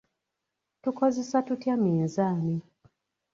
Tukozesa tutya minzaani?